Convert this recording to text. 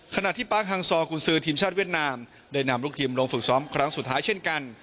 ขณะที่ปาร์คฮังซอกุญซือทีมชาติเวียดนามได้นำลูกทีมลงฝึกซ้อมครั้งสุดท้ายเช่นกัน